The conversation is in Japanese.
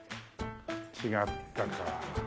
違ったか。